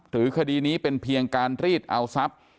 คดีนี้เป็นเพียงการรีดเอาทรัพย์